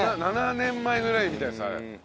７年前ぐらいみたいですあれ。